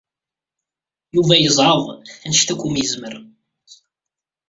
Yuba yezɛeḍ anect akk umi yezmer.